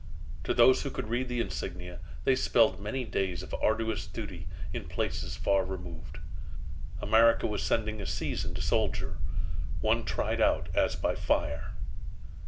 To those who could read the insignia, they spelled many days of arduous duty in places far removed. America was sending a seasoned soldier, one tried out as by fire.